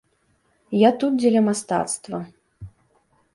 Я тут дзеля мастацтва.